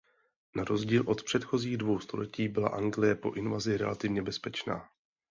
Na rozdíl od předchozích dvou století byla Anglie po invazi relativně bezpečná.